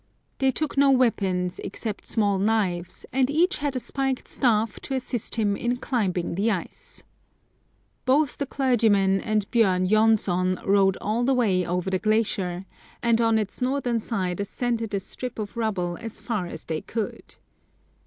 They took no weapons, except small knives, and each had a spiked staff, to assist him in climbing the ice. Both the clergymen and Bjorn 229 Curiosities of Olden Times J6nsson rode all the way over the glacier, and on its northern side ascended a strip of rubble as far as they could.